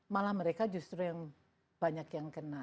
malah mereka justru yang banyak yang kena